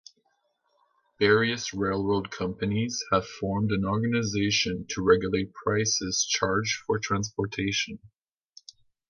Various railroad companies had formed an organization to regulate prices charged for transportation.